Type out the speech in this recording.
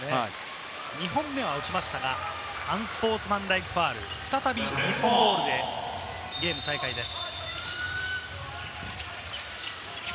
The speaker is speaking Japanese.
２本目は落ちましたが、アンスポーツマンライクファウル、再び日本ボールでゲーム再開です。